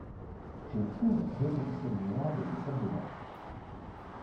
Je cours retapisser le miroir de sa salle de bain.